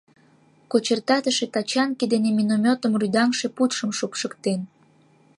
Кочыртатыше тачанке дене минометым рӱдаҥше пучшым шупшыктен.